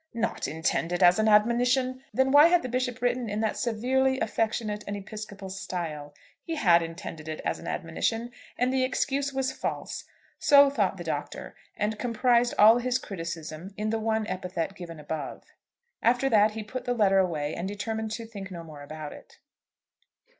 "Not intended as an admonition!" Then why had the Bishop written in that severely affectionate and episcopal style? He had intended it as an admonition, and the excuse was false. So thought the Doctor, and comprised all his criticism in the one epithet given above. After that he put the letter away, and determined to think no more about it.